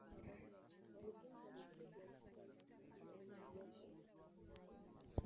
Walipewa maelekezo ya kila mtu kutunga nyimbo moja ya mazingira.